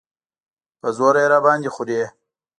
په زوره یې راباندې خورې.